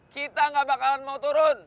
kita gak bakalan mau turun